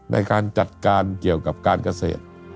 ในการจัดการเกี่ยวกับการเกษตร